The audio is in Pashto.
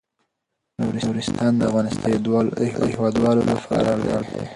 نورستان د افغانستان د هیوادوالو لپاره ویاړ دی.